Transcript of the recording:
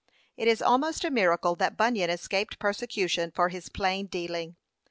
It is almost a miracle that Bunyan escaped persecution for his plain dealing.